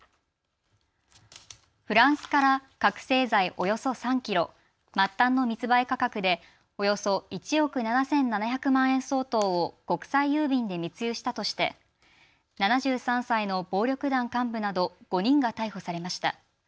フランスから覚醒剤およそ３キロ、末端の密売価格でおよそ１億７７００万円相当を国際郵便で密輸したとして７３歳の暴力団幹部など５人が逮捕されました。